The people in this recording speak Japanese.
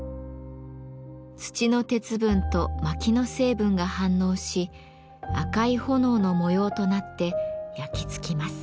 土の鉄分と薪の成分が反応し赤い炎の模様となって焼き付きます。